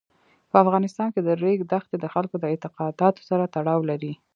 په افغانستان کې د ریګ دښتې د خلکو د اعتقاداتو سره تړاو لري.